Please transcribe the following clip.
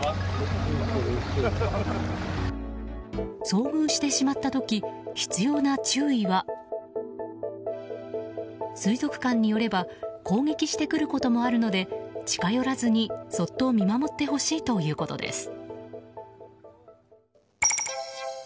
遭遇してしまった時必要な注意は水族館によれば攻撃してくることもあるので近寄らずに、そっと見守ってほしいということです。